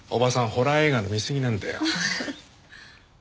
ホラー映画の見すぎなんだよ。